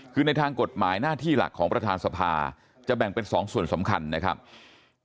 คือในทางกฎหมายหน้าที่หลักของประธานสภาจะแบ่งเป็น๒ส่วนสำคัญนะครับ